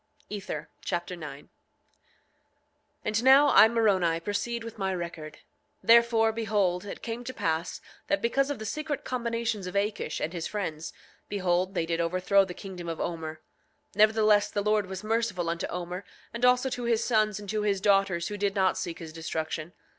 Ether Chapter 9 9:1 And now I, Moroni, proceed with my record. Therefore, behold, it came to pass that because of the secret combinations of Akish and his friends, behold, they did overthrow the kingdom of Omer. 9:2 Nevertheless, the Lord was merciful unto Omer, and also to his sons and to his daughters who did not seek his destruction.